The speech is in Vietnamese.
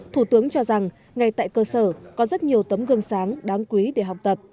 thủ tướng cho rằng ngay tại cơ sở có rất nhiều tấm gương sáng đáng quý để học tập